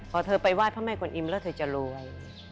พอเธอไปไหว้พระแม่กวนอิมแล้วเธอจะรวย